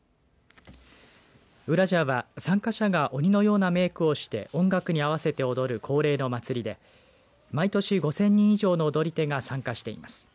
うらじゃは参加者が鬼のようなメークをして音楽に合わせて踊る恒例の祭りで毎年５０００人以上の踊り手が参加しています。